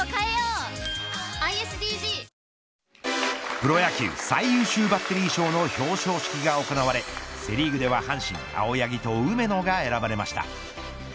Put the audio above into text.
プロ野球最優秀バッテリー賞の表彰式が行われセ・リーグでは阪神青柳と梅野が選ばれました。